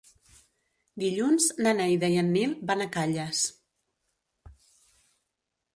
Dilluns na Neida i en Nil van a Calles.